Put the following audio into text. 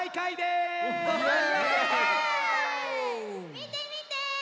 みてみて！